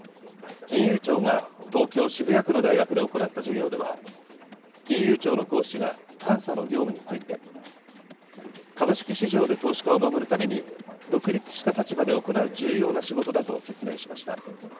金融庁が東京・渋谷区の大学で行った授業では、金融庁の講師が監査の業務について、株式市場で投資家を守るために、独立した立場で行う重要な仕事だと説明しました。